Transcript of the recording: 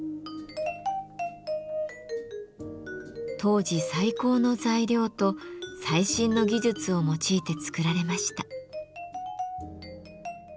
当時最高の材料と最新の技術を用いて作られました。